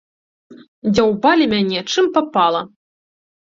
Дзяўбалі мяне чым папала.